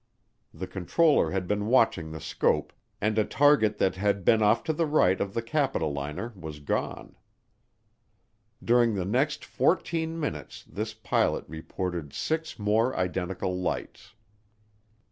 The controller had been watching the scope, and a target that had been off to the right of the Capitaliner was gone. During the next fourteen minutes this pilot reported six more identical lights.